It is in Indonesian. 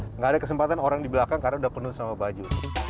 tidak ada kesempatan orang di belakang karena udah penuh sama baju